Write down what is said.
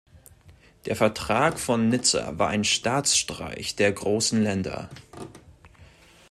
Der Vertrag von Nizza war ein Staatsstreich der großen Länder.